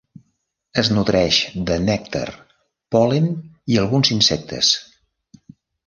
Es nodreix de nèctar, pol·len i alguns insectes.